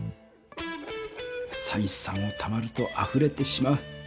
さびしさもたまるとあふれてしまう。